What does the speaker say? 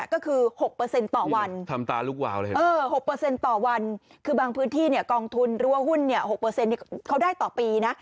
ก็คือ๖ต่อวันคือบางพื้นที่กองทุนรั่วหุ้น๖ต่อปี